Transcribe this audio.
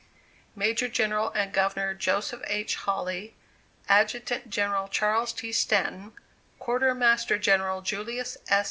Major General and Governor Joseph H. Hawley; Adjutant General Charles T. Stanton; Quartermaster General Julius S.